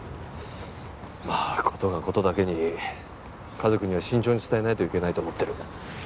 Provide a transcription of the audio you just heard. まあことがことだけに家族には慎重に伝えないといけないと思ってる。